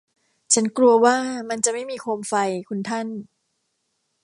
ฉันกลัวว่ามันจะไม่มีโคมไฟ คุณท่าน